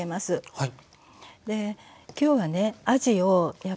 はい。